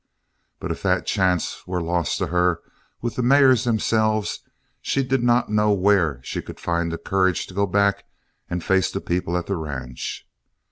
But if that chance were lost to her with the mares themselves she did not know where she could find the courage to go back and face the people at the ranch.